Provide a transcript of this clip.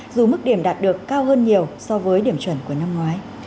dù mức điểm đạt được cao hơn nhiều so với điểm chuẩn của năm ngoái